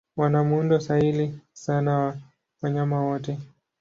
Wana muundo sahili sana wa wanyama wote.